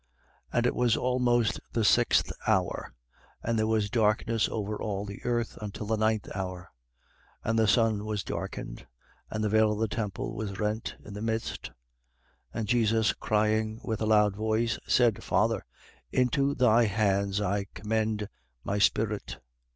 And it was almost the sixth hour: and there was darkness over all the earth until the ninth hour. 23:45. And the sun was darkened, and the veil of the temple was rent in the midst. 23:46. And Jesus crying with a loud voice, said: Father, into thy hands I commend my spirit.